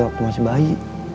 waktu masih bayi